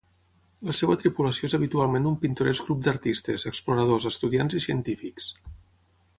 La seva tripulació és habitualment un pintoresc grup d'artistes, exploradors, estudiants i científics.